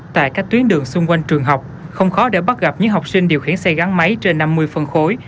tại các tuyến đường xung quanh trường học không khó để bắt gặp những học sinh điều khiển xe gắn máy trên năm mươi phân khối